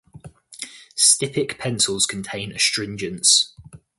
Styptic pencils contain astringents.